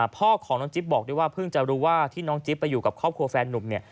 พ่อของน้องจิ๊บบอกด้วยว่าเพิ่งจะรู้ว่าที่น้องจิ๊บไปอยู่กับครอบครัวแฟนนุ่มเนี่ย